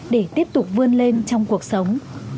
để tiếp tục vươn lên trong cuộc sống